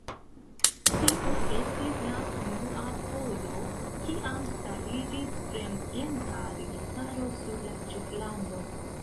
Tio estis la unua fojo kiam stariĝis fremdgenta registaro sur la ĉeflando.